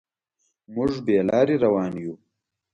موږ بې لارې روان یو.